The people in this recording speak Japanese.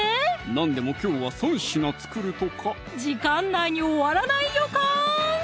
なんでもきょうは３品作るとか時間内に終わらない予感！